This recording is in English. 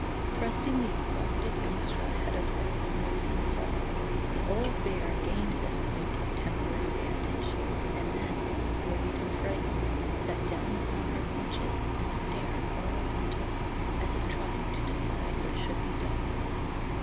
Thrusting the exhausted youngster ahead of her with nose and paws, the old bear gained this point of temporary vantage; and then, worried and frightened, sat down upon her haunches and stared all around her, as if trying to decide what should be done.